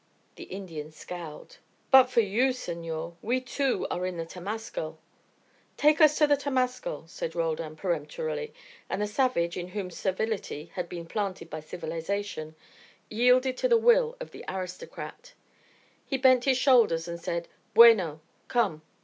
The Indian scowled. "But for you, senor, we, too, are in the temascal." "Take us to the temascal," said Roldan, peremptorily, and the savage, in whom servility had been planted by civilisation, yielded to the will of the aristocrat. He bent his shoulders and said: "Bueno; come!"